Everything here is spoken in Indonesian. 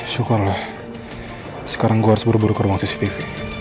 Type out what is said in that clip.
syukurlah sekarang gue harus buru buru ke ruang cctv